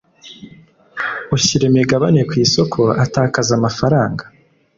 ushyira imigabane ku isoko atakaza amafaranga